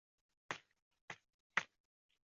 在高山气候非高海拔的地区亦会发现它们。